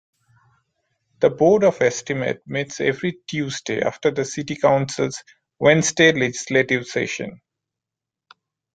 The Board of Estimate meets every Tuesday after the city council's Wednesday legislative session.